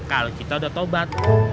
kalo kita udah tobat